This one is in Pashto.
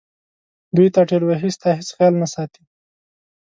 دوی تا ټېل وهي ستا هیڅ خیال نه ساتي.